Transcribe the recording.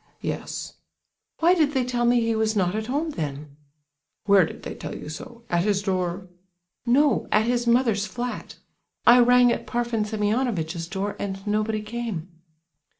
"Yes." "Why did they tell me he was not at home, then?" "Where did they tell you so,—at his door?" "No, at his mother's flat; I rang at Parfen Semionovitch's door and nobody came."